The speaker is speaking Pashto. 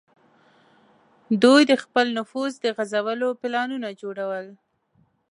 دوی د خپل نفوذ د غځولو پلانونه جوړول.